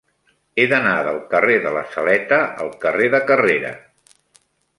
He d'anar del carrer de la Saleta al carrer de Carrera.